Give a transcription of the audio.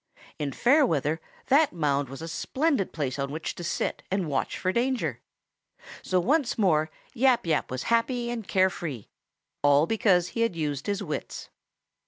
In fair weather that mound was a splendid place on which to sit and watch for danger. So once more Yap Yap was happy and care free, all because he had used his wits.